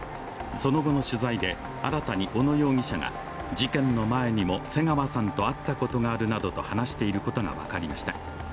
その後の取材で、新たに小野容疑者が事件の前にも瀬川さんと会ったことがあるなどと話していることが分かりました。